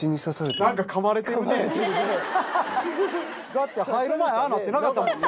だって入る前ああなってなかったもんね。